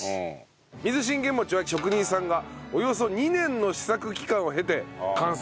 水信玄餅は職人さんがおよそ２年の試作期間を経て完成させたという。